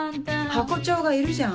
ハコ長がいるじゃん。